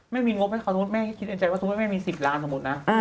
ไม่มีงบให้เขาสมมุติแม่ก็คิดในใจว่าสมมุติแม่มี๑๐ล้านสมมุตินะ